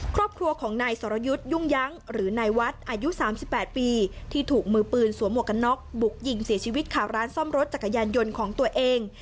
ครอบครัวของนายสรยุทธ์ยุ่งยั้งหรือนายวัดอายุ๓๘ปีที่ถูกมือปืนสวมหวกกันน็อกบุกยิงเสียชีวิตขาร้านซ่อมรถจักรยานยนต์ของตัวเอง